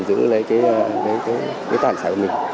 cái toàn sản của mình